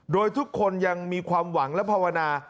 โดยทุกคนยังมีความหวังและภาวนา